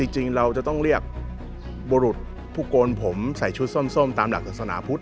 จริงเราจะต้องเรียกบุรุษผู้โกนผมใส่ชุดส้มตามหลักศาสนาพุทธ